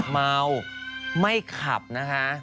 เมาไม่ขับนะคะ